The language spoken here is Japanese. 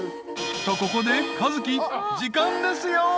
［とここでカズキ時間ですよ！］